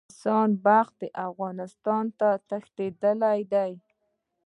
احسان بخت افغانستان ته تښتېدلی دی.